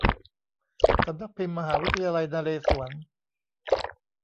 สำนักพิมพ์มหาวิทยาลัยนเรศวร